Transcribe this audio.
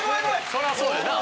そりゃそうやな。